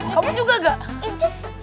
kamu juga gak